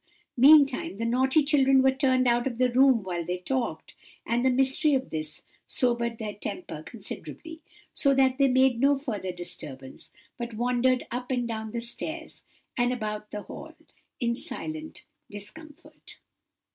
Meantime the naughty children were turned out of the room while they talked, and the mystery of this, sobered their temper considerably; so that they made no further disturbance, but wandered up and down the stairs, and about the hall, in silent discomfort.